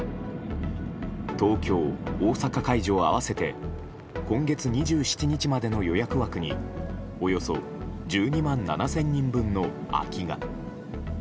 東京、大阪会場合わせて今月２７日までの予約枠におよそ１２万７０００人分の空きが。